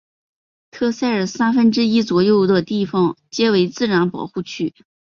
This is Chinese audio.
特塞尔三分之一左右地方皆为自然保护区。